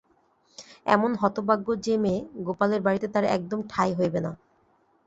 এমন হতভাগ্য যে মেয়ে, গোপালের বাড়িতে তার একদম ঠাই হইবে না।